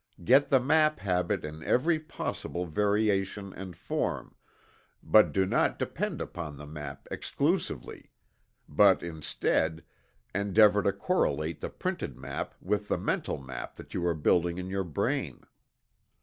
Get the map habit in every possible variation and form, but do not depend upon the map exclusively; but instead, endeavor to correlate the printed map with the mental map that you are building in your brain.